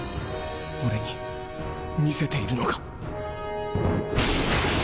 俺に見せているのか？